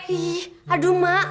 ih aduh mak